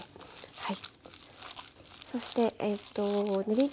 はい。